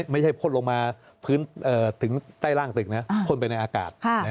พ่นลงมาพื้นถึงใต้ร่างตึกนะพ่นไปในอากาศ